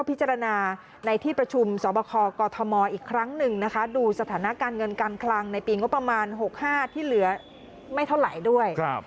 บ้านช่องก็ต้องอยู่ภายใต้ท่านเลย